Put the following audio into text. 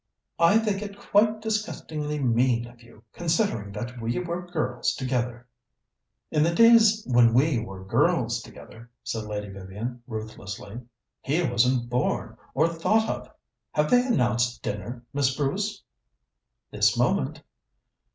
"I think it quite disgustingly mean of you, considering that we were girls together." "In the days when we were girls together," said Lady Vivian ruthlessly, "he wasn't born or thought of. Have they announced dinner, Miss Bruce?" "This moment."